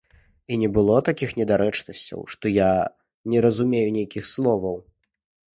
І не было такіх недарэчнасцяў, што я не разумею нейкіх словаў.